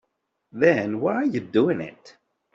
Then why are you doing it?